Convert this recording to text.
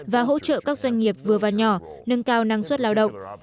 và hỗ trợ các doanh nghiệp vừa và nhỏ nâng cao năng suất lao động